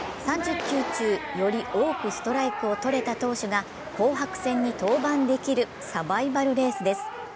３０球中、より多くストライクをとれた選手が紅白戦に登板できるサバイバルレースです。